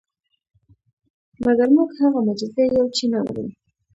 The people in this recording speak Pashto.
مګر موږ هغه معجزې یو چې نه مرو.